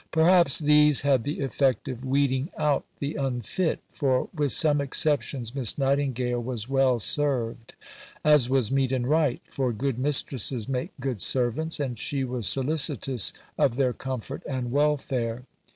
Perhaps these had the effect of weeding out the unfit; for, with some exceptions, Miss Nightingale was well served: as was meet and right, for good mistresses make good servants, and she was solicitous of their comfort and welfare.